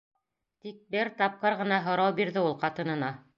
Тик бер тапҡыр ғына һорау бирҙе ул ҡатынына.